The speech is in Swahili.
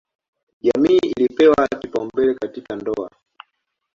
Jamii ilipewa kipaumbele katika ndoa.